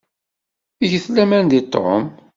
Get laman deg Tom.